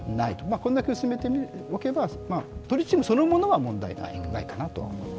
こんだけ薄めておけば、トリチウムそのものは問題ないかなと思います。